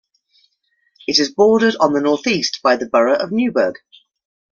It is bordered on the northeast by the borough of Newburg.